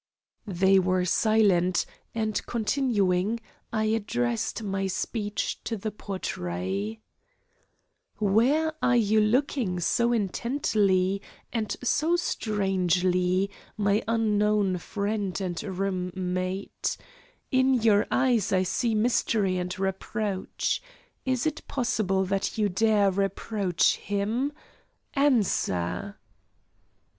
They were silent, and, continuing, I addressed my speech to the portrait: "Where are you looking so intently and so strangely, my unknown friend and roommate? In your eyes I see mystery and reproach. Is it possible that you dare reproach Him? Answer!"